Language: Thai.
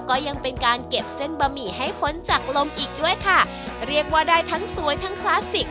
ก็ยังเป็นการเก็บเส้นบะหมี่ให้พ้นจากลมอีกด้วยค่ะเรียกว่าได้ทั้งสวยทั้งคลาสสิก